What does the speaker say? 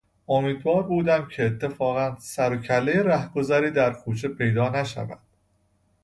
امیدوار بودم که اتفاقا سر و کله رهگذری در کوچه پیدا نشود.